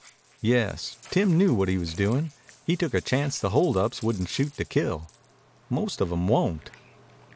"Yes. Tim knew what he was doing. He took a chance the hold ups wouldn't shoot to kill. Most of 'em won't.